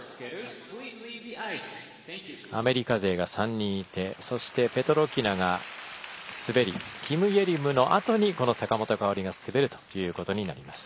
アメリカ勢が３人いてそして、ペトロキナが滑りキム・イェリムのあとに滑るということになります。